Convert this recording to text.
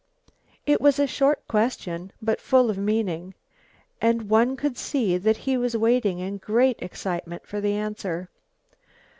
It was a short question, but full of meaning, and one could see that he was waiting in great excitement for the answer.